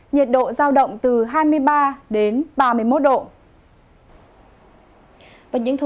nhiệt độ giao động từ hai đến ba độ